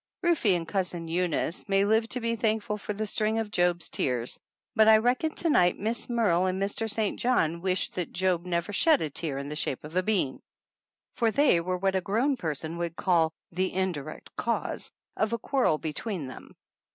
Rufe and Cousin Eunice may live to be thank ful for the string of Job's Tears, but I reckon to night Miss Merle and Mr. St. John wish that Job never shed a tear in the shape of a bean, for they were what a grown person would call "the indirect cause" of a quarrel between them.